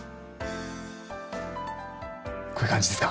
こういう感じですか？